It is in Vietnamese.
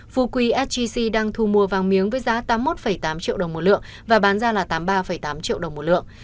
phu quý sgc đang thu mua vàng miếng với giá tám mươi một tám triệu đồng một lượng và bán ra là tám mươi ba tám triệu đồng một lượng